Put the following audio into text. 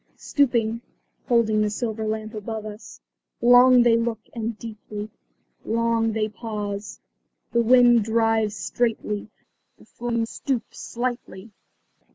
Stooping, holding their silver lamp above us, long they look and deeply. Long they pause. The wind drives straightly; the flame stoops slightly.